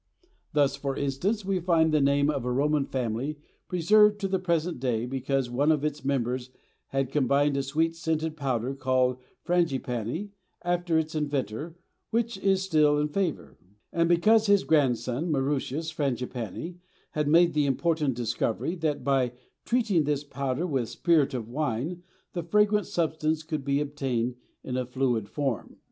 Thus, for instance, we find the name of a Roman family preserved to the present day because one of its members had combined a sweet scented powder, called Frangipanni after its inventor, which is still in favor, and because his grandson Mauritius Frangipanni had made the important discovery that by treating this powder with spirit of wine the fragrant substance could be obtained in a fluid form.